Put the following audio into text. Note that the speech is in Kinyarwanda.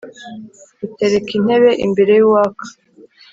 butereka intebe imbere y’ uwaka !